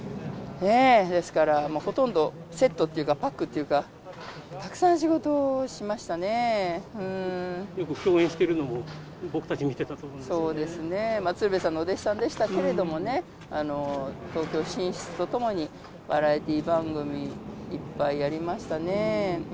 ですから、もうほとんどセットっていうか、パックというか、たくよく共演してるのを僕たち見そうですね、鶴瓶さんのお弟子さんでしたけれどもね、東京進出とともに、バラエティ番組いっぱいやりましたね。